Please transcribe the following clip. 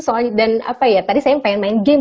soalnya dan apa ya tadi saya pengen main game